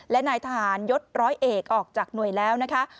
และนายทหารยศร้อยเอกออกจากหน่วยแล้วนะคะ